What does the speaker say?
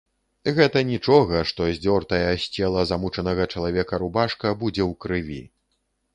Гэта нічога, што здзёртая з цела замучанага чалавека рубашка будзе ў крыві.